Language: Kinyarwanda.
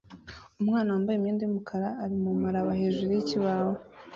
Umwana wambaye imyenda yumukara ari mumuraba hejuru yikibaho